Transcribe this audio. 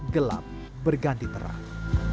gelap berganti terang